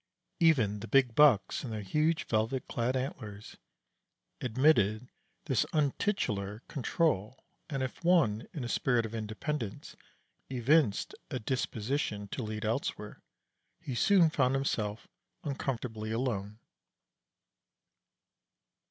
Even the big Bucks, in their huge velvet clad antlers, admitted this untitular control; and if one, in a spirit of independence, evinced a disposition to lead elsewhere, he soon found himself uncomfortably alone.